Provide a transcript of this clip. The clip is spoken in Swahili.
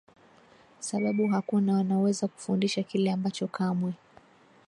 sababu hakuna wanaoweza kufundisha kile ambacho kamwe